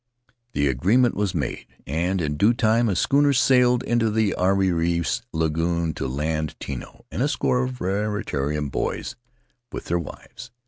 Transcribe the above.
The agreement was made and in due time a schooner sailed into the Ariri lagoon to land Tino and a score of Raiatea boys with their wives.